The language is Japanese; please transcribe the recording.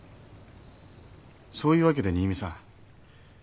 そういうわけで新見さん